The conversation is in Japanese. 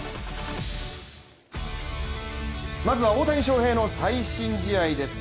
まずは大谷翔平の最新試合です。